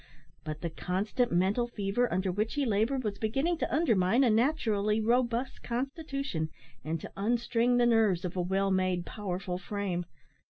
But the constant mental fever under which he laboured was beginning to undermine a naturally robust constitution, and to unstring the nerves of a well made, powerful frame.